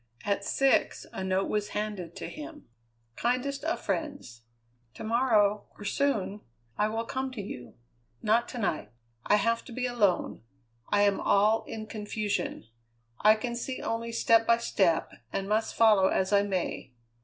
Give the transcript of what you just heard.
At six a note was handed to him: Kindest of Friends: To morrow, or soon, I will come to you; not to night. I have to be alone. I am all in confusion. I can see only step by step, and must follow as I may.